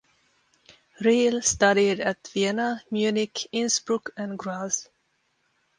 Riehl studied at Vienna, Munich, Innsbruck and Graz.